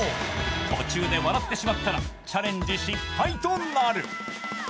途中で笑ってしまったらチャレンジ失敗となる。